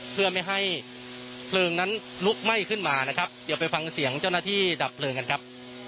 เพื่อไม่ให้เพลิงนั้นลุกไหม้ขึ้นมานะครับเดี๋ยวไปฟังเสียงเจ้าหน้าที่ดับเพลิงกันครับ